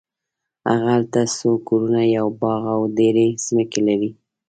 هغه هلته څو کورونه یو باغ او ډېرې ځمکې لري.